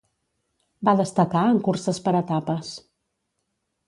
Va destacar en curses per etapes.